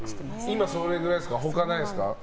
今それぐらいですか他ないんですか。